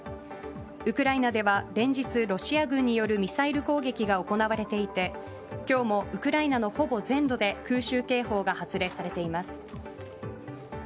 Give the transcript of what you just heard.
ウクライナでは連日ロシア軍によるミサイル攻撃が行われていて今日もウクライナのほぼ全土で空襲警報が発令されています。